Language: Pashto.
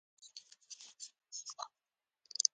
تاسو د هېواد له نومیالیو لیکوالو او شاعرانو نومونه اورېدلي.